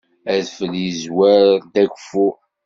Adfel yezwar-d ageffur.